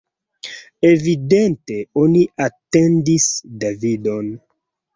Evidente oni atendis Davidon.